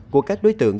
của các đối tượng